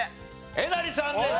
えなりさんです。